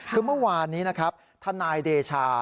คือเมื่อวานนี้นะครับทนายเดชา